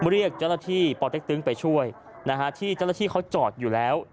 เรียกเจ้าหน้าที่ปเต็กตึงไปช่วยนะฮะที่เจ้าหน้าที่เขาจอดอยู่แล้ว